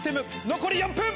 残り４分！